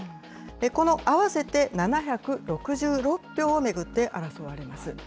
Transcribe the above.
この合わせて７６６票を巡って争われます。